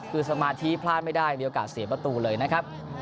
คือสมาธิพลาดไม่ได้มีโอกาสเสียประตูเลยนะครับ